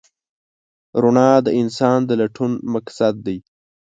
رڼا د انسان د لټون مقصد دی.